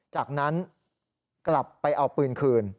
จากนั้นกลับไปเอาปืนคืน